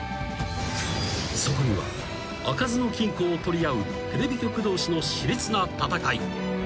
［そこには開かずの金庫を取り合うテレビ局同士の熾烈な戦い］